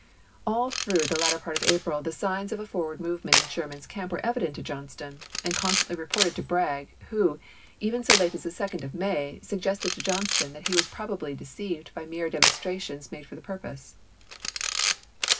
All through the latter part of April the signs of a forward movement in Sherman's camp were evident to Johnston, and constantly reported to Bragg, who, even so late as the 2d of May, sug "JNaS5r'c gested to Johnston that he was probably deceived ° oper£ry by mere demonstrations made for the purpose.